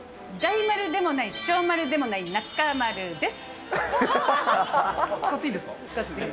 大丸でもない、小丸でもない、中丸です。